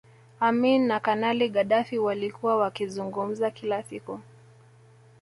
Amin na Kanali Gaddafi walikuwa wakizungumza kila siku